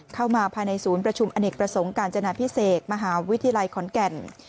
เข้ามาภายในศูนย์ประชุมอเนกประสงค์การจนาพิเศษมหาวิทยาลัยขอนแก่น